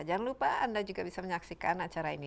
jangan lupa anda juga bisa menyaksikan acara ini